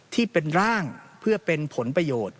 ที่เป็นร่างเพื่อเป็นผลประโยชน์